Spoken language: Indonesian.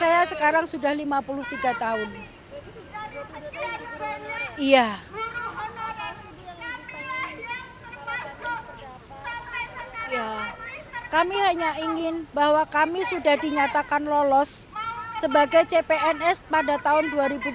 ya kami hanya ingin bahwa kami sudah dinyatakan lolos sebagai cpns pada tahun dua ribu tiga belas